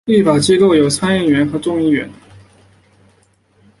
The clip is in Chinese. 立法机构有参议院和众议院。